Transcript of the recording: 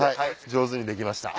上手にできました。